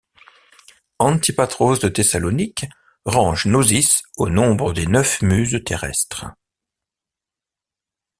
Antipatros de Thessalonique range Nossis au nombre des neuf muses terrestres.